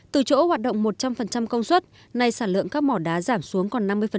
từ chỗ hoạt động một trăm linh công suất nay sản lượng các mỏ đá giảm xuống còn năm mươi nhiều mỏ chỉ còn lại ba mươi